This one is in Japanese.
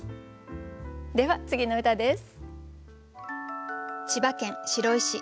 では次の歌です。